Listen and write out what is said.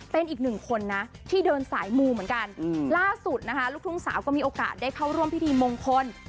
เป็นอีกหนึ่งคนนะที่เดินสายมูเหมือนกันล่าสุดนะคะลูกทุ่งสาวก็มีโอกาสได้เข้าร่วมพิธีมงคล